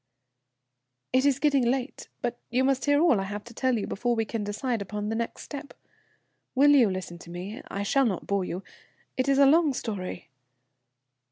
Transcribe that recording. "It is getting late, but you must hear all I have to tell before we can decide upon the next step. Will you listen to me? I shall not bore you. It is a long story.